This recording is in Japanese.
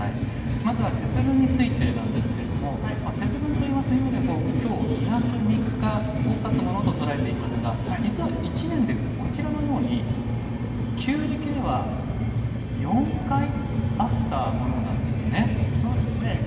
まずは節分についてなんですけど節分といいますと今では、今日２月３日をさすものととられていますが実は１年で旧暦では４回あったものなんですね。